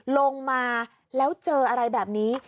ลงมาแล้วเจออะไรแบบนี้